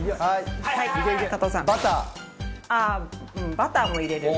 バターも入れる。